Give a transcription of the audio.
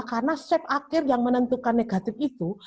karena set akhir yang menentukan negatif itu